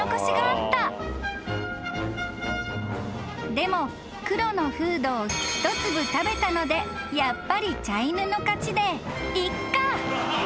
［でも黒のフードを１粒食べたのでやっぱり茶犬の勝ちでいっか］